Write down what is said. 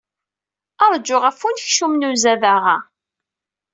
Ṛju ɣef unekcum n uzadaɣ-a.